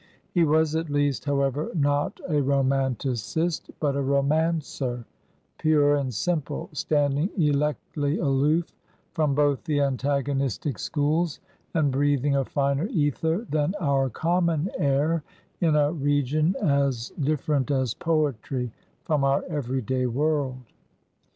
He was at least, however, not a romanticist, but a romancer, pure and simple, standing electly aloof from both the antagonistic schools, and breathing a finer ether than our common air in a re gion as different as poetry from our every day world.